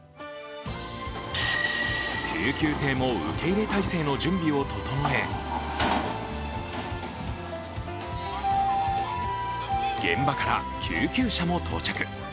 救急艇も受け入れ態勢の準備を整え、現場から、救急車も到着。